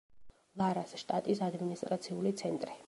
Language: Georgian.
ლარას შტატის ადმინისტრაციული ცენტრი.